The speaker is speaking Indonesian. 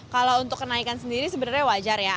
kalau untuk kenaikan sendiri sebenarnya wajar ya